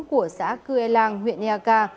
của xã cư e lang huyện ea ca